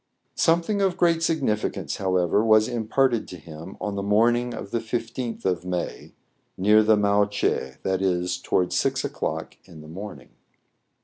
Something of great significance, however, was imparted to him on the morning of the isth of May, near the " mao che ;" that is, towards six o'clock in the morning.